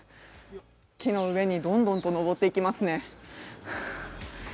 木の上にどんどんと上っていきますね。